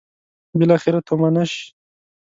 بالاخره تومنه شي.